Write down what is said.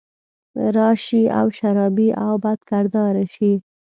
راشي او شرابي او بدکرداره شي